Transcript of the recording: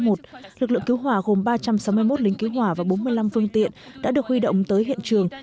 lực lượng cứu hỏa gồm ba trăm sáu mươi một lính cứu hỏa và bốn mươi năm phương tiện đã được huy động tới hiện trường